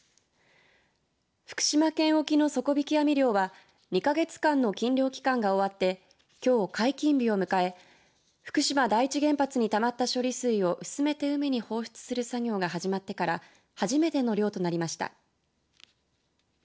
福島県沖の底引き網漁は２か月間の禁漁期間が終わってきょう解禁日を迎え福島第一原発にたまった処理水を薄めて海に放出する作業が始まってから初めての漁となりました。